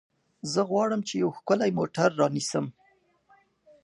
زه غواړم چې یو ښکلی موټر رانیسم.